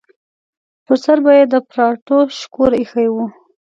پر سر به یې د پراټو شکور ایښی و.